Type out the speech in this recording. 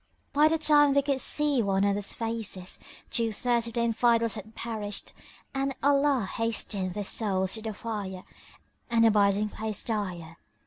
By the time they could see one another's faces, two thirds of the Infidels had perished and Allah hastened their souls to the fire and abiding place dire.